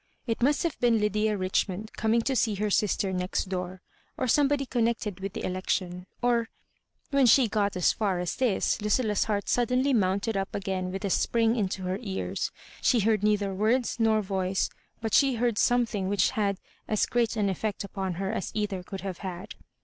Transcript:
It must have been Lydia Bichmond coming to see her sister next door, or somebody connected with tlie election, or When she got as far as this, Lucilla's heart suddenly mounted up again with a spring into her ears. She heard neither words nor voice, but she heard something which had as great an efiect upon her as either could have had.